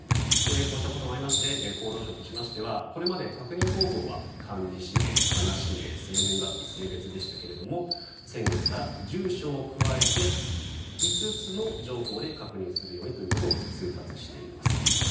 こうしたこともありまして厚労省としましてはこれまで確認方法は漢字氏名、カナ氏名生年月日、性別でしたけども先月から住所を加えて５つの情報で確認するようにということを通達しています。